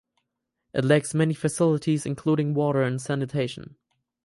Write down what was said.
It lacks many facilities including water and sanitation.